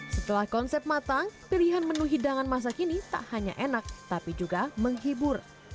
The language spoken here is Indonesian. setelah konsep matang pilihan menu hidangan masa kini tak hanya enak tapi juga menghibur